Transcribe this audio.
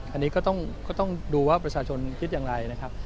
อันนี้ก็ต้องดูว่าประชาชนคิดอย่างไรนะครับ